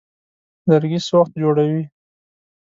لرګي سوخت جوړوي.